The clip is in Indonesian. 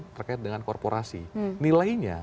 terkait dengan korporasi nilainya